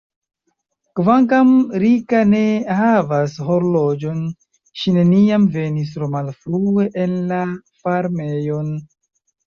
Kvankam Rika ne havas horloĝon, ŝi neniam venis tro malfrue en la farmejon.